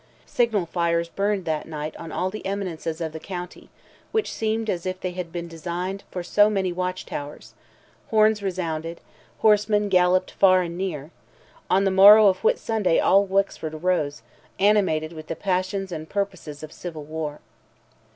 Signal fires burned that night on all the eminences of the county, which seemed as if they had been designed for so many watch towers; horns resounded; horsemen galloped far and near; on the morrow of Whitsunday all Wexford arose, animated with the passions and purposes of civil war.